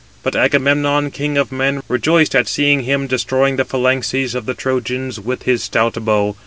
But Agamemnon, king of men, rejoiced at seeing him destroying the phalanxes of the Trojans with his stout bow.